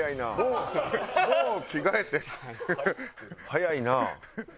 早いな。